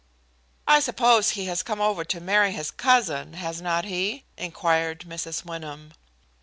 "I suppose he has come over to marry his cousin has not he?" inquired Mrs. Wyndham.